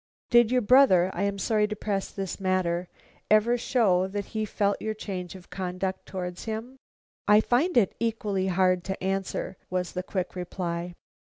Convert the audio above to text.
"Did your brother I am sorry to press this matter ever show that he felt your change of conduct towards him?" "I find it equally hard to answer," was the quick reply.